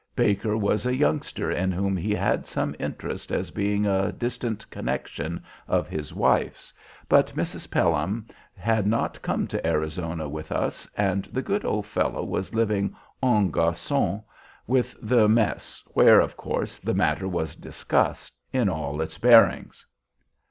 Baker was a youngster in whom he had some interest as being a distant connection of his wife's, but Mrs. Pelham had not come to Arizona with us, and the good old fellow was living en garçon with the Mess, where, of course, the matter was discussed in all its bearings.